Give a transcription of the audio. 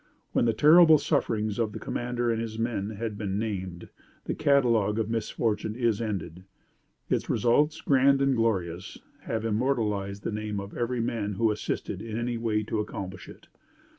When the terrible sufferings of the commander and his men have been named, the catalogue of misfortune is ended. Its results, grand and glorious, have immortalized the name of every man who assisted, in any way, to accomplish it.